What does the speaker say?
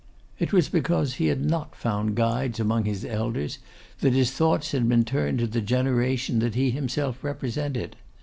It was because he had not found guides among his elders, that his thoughts had been turned to the generation that he himself represented.